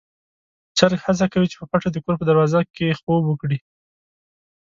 چرګ هڅه کوي چې په پټه د کور په دروازه کې خوب وکړي.